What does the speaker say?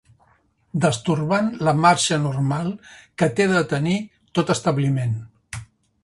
Destorbant la marxa normal que té de tenir tot establiment